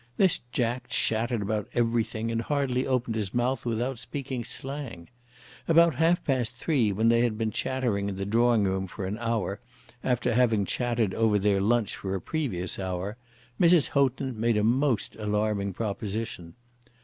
This Jack chattered about everything, and hardly opened his mouth without speaking slang. About half past three, when they had been chattering in the drawing room for an hour, after having chattered over their lunch for a previous hour, Mrs. Houghton made a most alarming proposition.